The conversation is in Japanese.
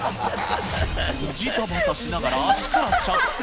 じたばたしながら足から着水。